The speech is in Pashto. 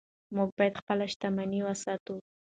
موږ باید خپله شتمني وساتو.